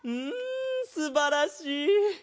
んすばらしい！